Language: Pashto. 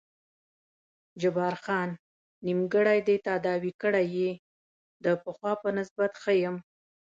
جبار خان: نیمګړی دې تداوي کړی یې، د پخوا په نسبت ښه یم.